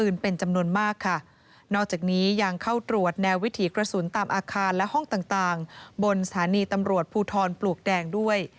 นอกจากนี้ยังเข้าตรวจแนววิถีกระสุนตามอาคารและห้องต่างบนสถานีตำรวจภูทรปลวกแดงด้วย